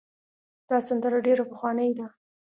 دا سندره ډېره پخوانۍ ده.